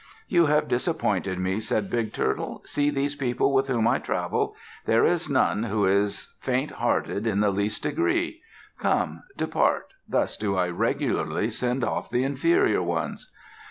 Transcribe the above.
"You have disappointed me," said Big Turtle. "See these people with whom I travel. There is none who is faint hearted in the least degree. Come, depart. Thus do I regularly send off the inferior ones.